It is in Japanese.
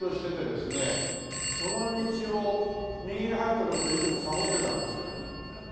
その道を右に入ったとこでいつもサボってたんですよ。